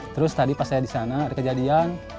terus tadi pas saya disana ada kejadian